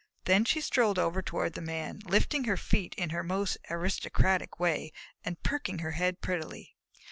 Then she strolled over toward the Man, lifting her feet in her most aristocratic way and perking her head prettily.